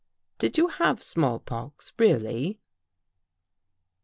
Did you have small pox, really?